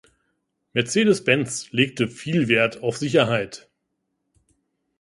Mercedes-Benz legte viel Wert auf Sicherheit.